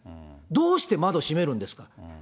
どうして窓閉めるんですか。